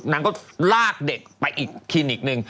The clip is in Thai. น้องก็ลากเด็กไปอีกคลินอีกนึง